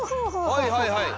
はいはいはい。